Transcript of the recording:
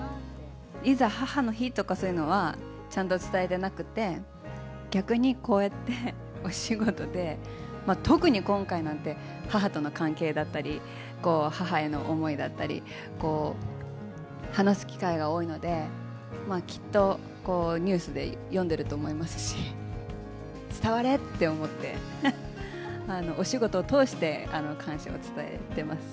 いざ母の日とかそういうのは、ちゃんと伝えてなくて、逆にこうやって、お仕事で特に今回なんて、母との関係だったり、母への思いだったり、話す機会が多いので、きっとニュースで読んでると思いますし、伝われって思って、お仕事を通して感謝を伝えてます。